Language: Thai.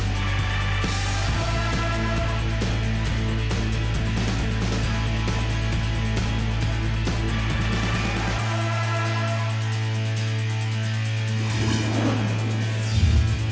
โปรดติดตามตอนต่อไป